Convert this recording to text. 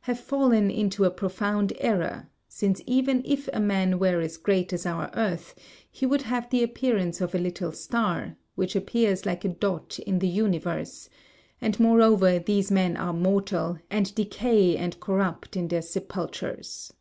have fallen into a profound error, since even if a man were as great as our earth, he would have the appearance of a little star, which appears like a dot in the universe; and moreover these men are mortal, and decay and corrupt in their sepulchres.